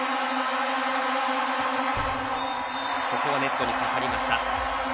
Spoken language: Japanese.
ここはネットにかかりました。